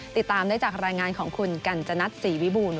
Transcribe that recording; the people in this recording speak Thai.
ติดตามได้จากรายงานของคุณกัญจนัทศรีวิบูรณ